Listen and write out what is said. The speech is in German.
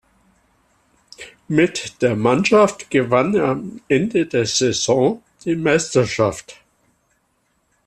Mit der Mannschaft gewann er am Ende der Saison die Meisterschaft.